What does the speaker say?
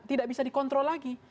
tidak bisa dikontrol lagi